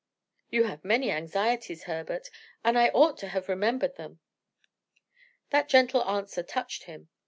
"You have many anxieties, Herbert; and I ought to have remembered them." That gentle answer touched him.